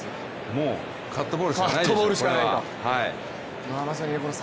もうカットボールしかないでしょう、これは。